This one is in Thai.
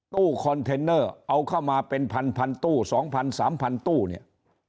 ตู้คอนเทนเนอร์เอาเข้ามาเป็นพันพันตู้สองพันสามพันตู้เนี่ย